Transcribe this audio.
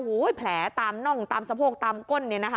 โอ้โฮแผลตามน่องตามสะโพกตามก้น